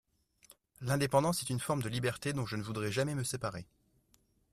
L'indépendance est une forme de liberté dont je ne voudrais jamais me séparer.